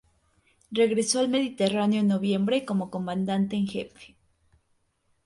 Regresó al Mediterráneo en noviembre como comandante en jefe.